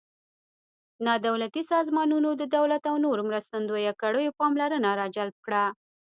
نا دولتي سازمانونو د دولت او نورو مرستندویه کړیو پاملرنه را جلب کړه.